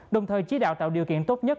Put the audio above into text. đồng thời chí đạo tạo điều kiện tốt nhất